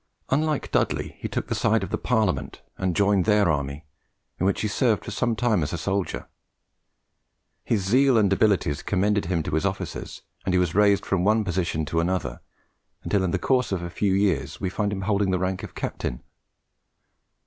Unlike Dudley, he took the side of the Parliament, and joined their army, in which he served for some time as a soldier. His zeal and abilities commended him to his officers, and he was raised from one position to another, until in the course of a few years we find him holding the rank of captain.